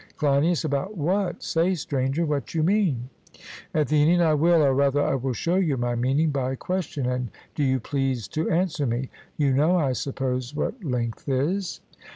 CLEINIAS: About what? Say, Stranger, what you mean. ATHENIAN: I will; or rather I will show you my meaning by a question, and do you please to answer me: You know, I suppose, what length is?